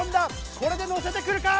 これで乗せてくるか？